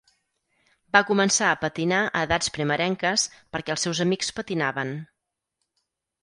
Va començar a patinar a edats primerenques perquè els seus amics patinaven.